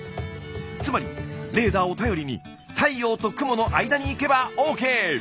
つまりレーダーを頼りに太陽と雲の間に行けばＯＫ！